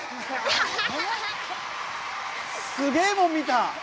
すげえもん見た！